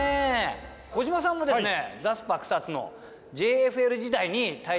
小島さんもですねザスパ草津のＪＦＬ時代に対戦あるんですよね。